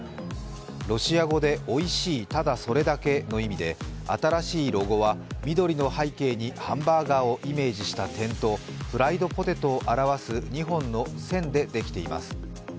ロシア語で「おいしい、ただそれだけ」の意味で新しいロゴは緑の背景にハンバーガーをイメージした点とフライドポテトを表す２本の線でできています。